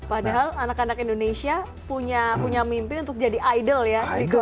padahal anak anak indonesia punya mimpi untuk jadi idol ya